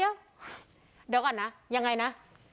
เดี๋ยวก่อนนะยังไงนะ